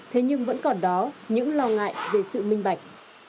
thế nhưng vẫn còn đó những lo ngại về sự minh bạch